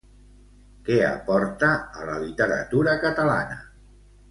Què aporta a la literatura catalana?